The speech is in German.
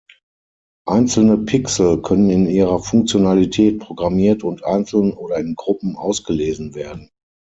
Einzelne Pixel können in ihrer Funktionalität programmiert und einzeln oder in Gruppen ausgelesen werden.